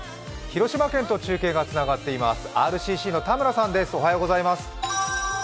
広島県と中継がつながっています、ＲＣＣの田村さん。